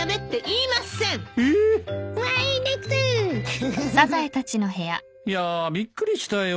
いやあびっくりしたよ。